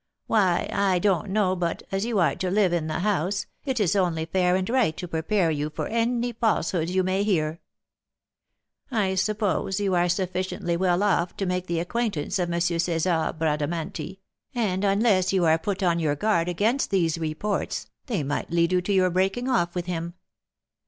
"Why, I don't know but, as you are to live in the house, it is only fair and right to prepare you for any falsehoods you may hear. I suppose you are sufficiently well off to make the acquaintance of M. César Bradamanti, and unless you are put on your guard against these reports, they might lead to your breaking off with him.